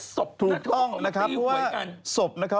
๒๕ศพทุกคนที่หวยกัน